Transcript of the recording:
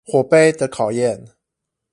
火盃的考驗